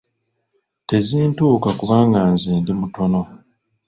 Tezintuuka kubanga nze ndi mutono.